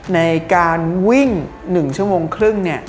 ในการวิ่ง๑ชั่วโมงครึ่งเนี่ย